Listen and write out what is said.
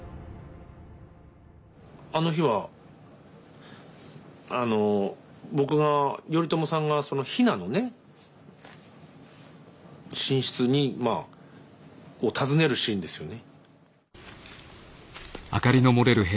あの日はあの僕が頼朝さんが比奈のね寝室を訪ねるシーンですよね。